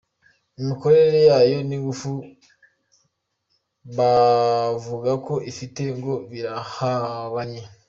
Imikorere yayo n’ingufu bavuga ko ifite ngo birahabanye.